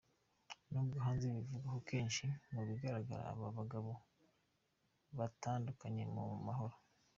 N'ubwo hanze bivugwaho kwinshi, mu bigaragara, aba bagabo bo batandukanye mu mahoro.